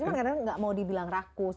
cuma kadang kadang gak mau dibilang rakus